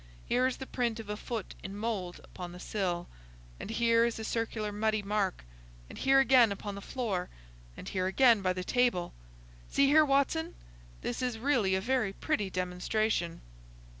Here is the print of a foot in mould upon the sill. And here is a circular muddy mark, and here again upon the floor, and here again by the table. See here, Watson! This is really a very pretty demonstration."